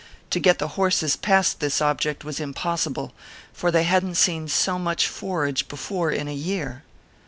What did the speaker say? To get the horses past this ob ject was impossible, for they hadn t seen so much forage before in a year.